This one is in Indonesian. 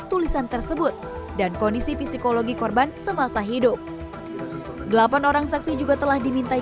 tulisan tersebut dan kondisi psikologi korban semasa hidup delapan orang saksi juga telah dimintai